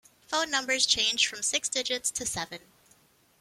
Phone numbers changed from six digits to seven.